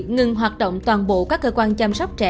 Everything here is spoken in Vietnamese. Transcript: ngừng hoạt động toàn bộ các cơ quan chăm sóc trẻ